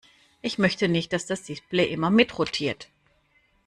Ich möchte nicht, dass das Display immer mitrotiert.